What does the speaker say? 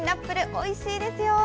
おいしいですよ。